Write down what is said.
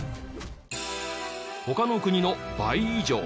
他の国の倍以上。